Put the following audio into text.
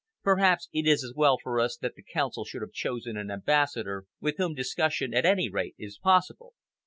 "Perhaps it is as well for us that the Council should have chosen an ambassador with whom discussion, at any rate, is possible.